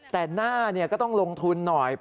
แต่หน้าก็ต้องลงทุนหน่อย